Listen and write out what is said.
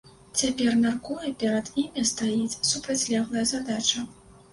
Цяпер, мяркую, перад імі стаіць супрацьлеглая задача.